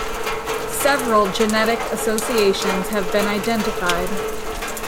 Several genetic associations have been identified.